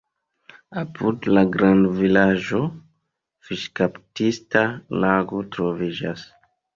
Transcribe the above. Apud la grandvilaĝo fiŝkaptista lago troviĝas.